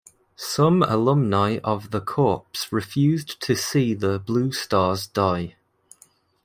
Some alumni of the corps refused to see the Blue Stars die.